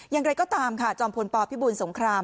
อย่างไรก็ตามค่ะจอมพลปพิบูลสงคราม